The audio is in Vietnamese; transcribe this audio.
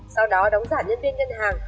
sau đó đóng giả nhân viên nhân hàng